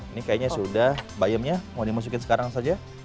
ini kayaknya sudah bayamnya mau dimasukin sekarang saja